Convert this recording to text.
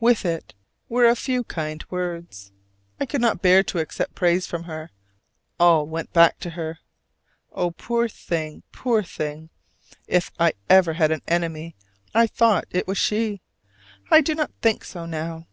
With it were a few kind words. I could not bear to accept praise from her: all went back to her! Oh, poor thing, poor thing! if I ever had an enemy I thought it was she! I do not think so now.